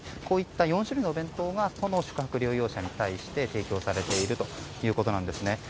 こういったものが都の宿泊療養者に対して提供されているということです。